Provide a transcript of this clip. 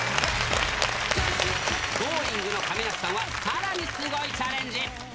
Ｇｏｉｎｇ！の亀梨さんは、さらにすごいチャレンジ。